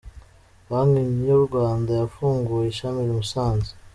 Banki y’urwanda yafunguye ishami imusanze